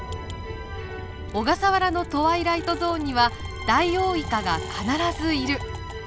小笠原のトワイライトゾーンにはダイオウイカが必ずいる。